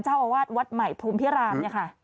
เจ้าอาวาสวัดใหม่ภูมิพิรามเนี่ยค่ะ